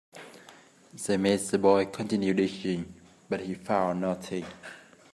They made the boy continue digging, but he found nothing.